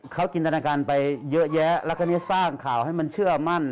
เขาจินตนาการไปเยอะแยะแล้วก็นี้สร้างข่าวให้มันเชื่อมั่น